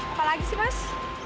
apalagi sih mas